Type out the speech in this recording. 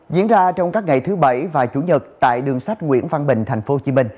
diễn ra trong các ngày thứ bảy và chủ nhật tại đường sách nguyễn văn bình tp hcm